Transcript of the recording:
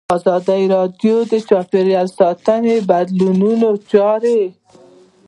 ازادي راډیو د چاپیریال ساتنه بدلونونه څارلي.